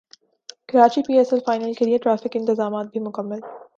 Karachi P S L final کیلئے traffic انتظامات بھی مکمل